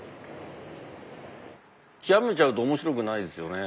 極めちゃうと面白くないですよね。